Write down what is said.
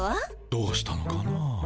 どうしたのかな？